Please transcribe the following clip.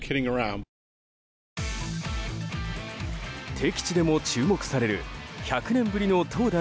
敵地でも注目される１００年ぶりの投打